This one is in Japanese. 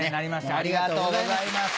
ありがとうございます。